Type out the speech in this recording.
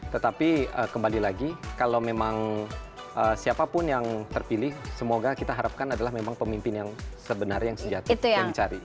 tetapi kembali lagi kalau memang siapapun yang terpilih semoga kita harapkan adalah memang pemimpin yang sebenarnya yang sejati yang dicari